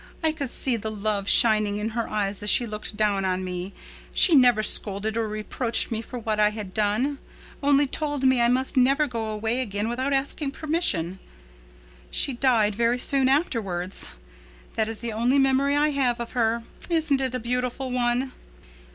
I could see the love shining in her eyes as she looked down on me. She never scolded or reproached me for what I had done—only told me I must never go away again without asking permission. She died very soon afterwards. That is the only memory I have of her. Isn't it a beautiful one?"